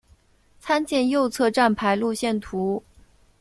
参见右侧站牌路线图。